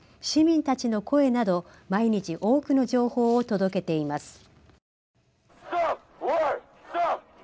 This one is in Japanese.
市民たちの声など毎日多くの情報を届けています。